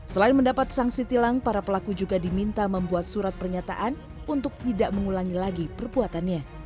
selain mendapat sanksi tilang para pelaku juga diminta membuat surat pernyataan untuk tidak mengulangi lagi perbuatannya